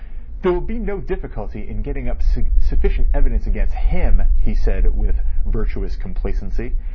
"There will be no difficulty in getting up sufficient evidence against him," he said, with virtuous complacency.